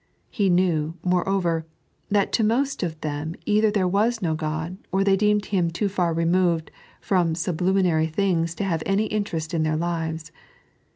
He knew, moreover, that to moet of them either there was no God or they deemed Him too far removed from Bublimaiy things to hare any interest in their lives.